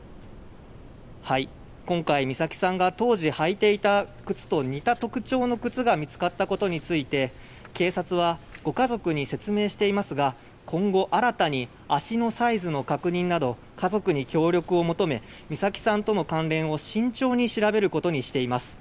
今回、美咲さんが当時履いていた靴と似た特徴の靴が見つかったことについて警察はご家族に説明していますが今後新たに足のサイズの確認など家族に協力を求め美咲さんとの関連を慎重に調べることにしています。